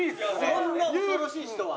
そんな恐ろしい人は。